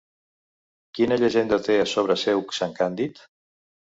Quina llegenda té a sobre seu sant Càndid?